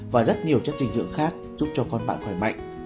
và rất nhiều chất dinh dưỡng khác giúp cho con bạn khỏe mạnh